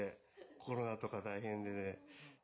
コロナとか大変でね。